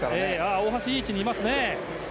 大橋いい位置にいます。